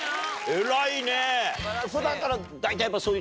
偉いね。